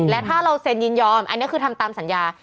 และถ้าเราเซ็นยินยอมอันนี้คือทำตามสัญญา